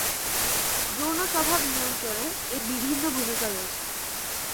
যৌন স্বভাব নিয়ন্ত্রণে এর বিভিন্ন ভুমিকা আছে।